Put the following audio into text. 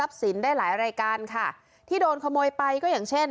สินได้หลายรายการค่ะที่โดนขโมยไปก็อย่างเช่น